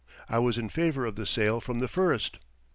I was in favour of the sale from the first.